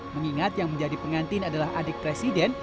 mengingat yang menjadi pengantin adalah adik presiden